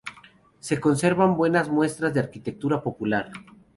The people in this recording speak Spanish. Se conservan buenas muestras de arquitectura popular.